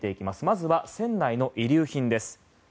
まずは船内の遺留品です。